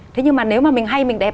thế nhưng mà nếu mà mình hay mình đẹp